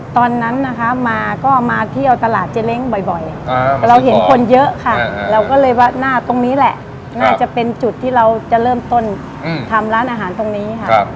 ตอนนั้นนะคะมาก็มาเที่ยวตลาดเจ๊เล้งบ่อยแต่เราเห็นคนเยอะค่ะเราก็เลยว่าหน้าตรงนี้แหละน่าจะเป็นจุดที่เราจะเริ่มต้นทำร้านอาหารตรงนี้ค่ะ